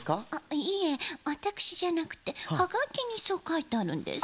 いえわたくしじゃなくてハガキにそうかいてあるんです。